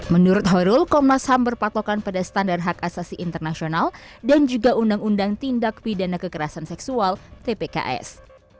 menurut horul komnas ham berpatokan pada standar hak asasi internasional dan juga undang undang tindak pidana kekerasan seksual tpks